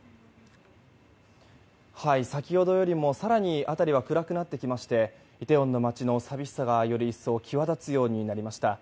先ほどよりも更に辺りは暗くなってきましてイテウォンの街の寂しさがより一層際立つようになりました。